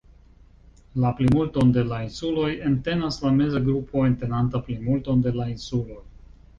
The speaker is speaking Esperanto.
La plimulton de la insuloj entenas la meza grupo, entenanta plimulton de la insuloj.